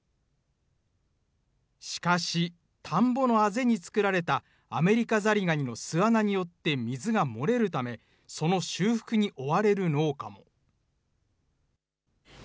しかし、田んぼのあぜに作られたアメリカザリガニの巣穴によって水が漏れるため、その修復に追われる農家も。